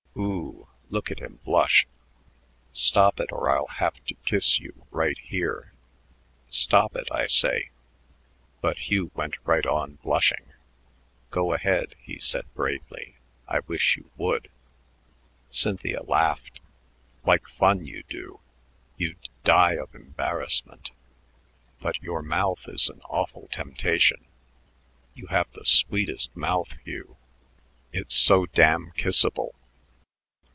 Ooooh, look at him blush! Stop it or I'll have to kiss you right here. Stop it, I say." But Hugh went right on blushing. "Go ahead," he said bravely. "I wish you would." Cynthia laughed. "Like fun you do. You'd die of embarrassment. But your mouth is an awful temptation. You have the sweetest mouth, Hugh. It's so damn kissable."